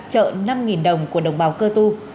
chợ năm đồng của đồng bào cơ tu